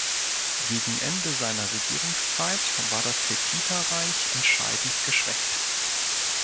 Gegen Ende seiner Regierungszeit war das Hethiterreich entscheidend geschwächt.